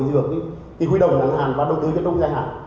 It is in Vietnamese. thì quy đồng ngân hàng và đầu tư kết nối ngân hàng